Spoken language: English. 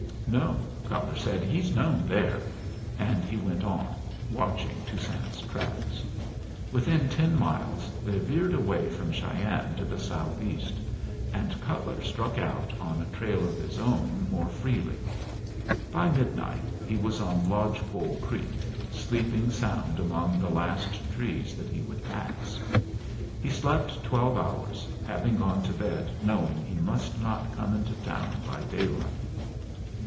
"No," Cutler said, "he's known there"; and he went on, watching Toussaint's tracks. Within ten miles they veered away from Cheyenne to the southeast, and Cutler struck out on a trail of his own more freely. By midnight he was on Lodge Pole Creek, sleeping sound among the last trees that he would pass. He slept twelve hours, having gone to bed knowing he must not come into town by daylight.